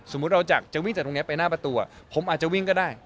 เราจะวิ่งจากตรงนี้ไปหน้าประตูผมอาจจะวิ่งก็ได้